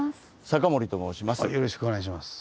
坂森と申します。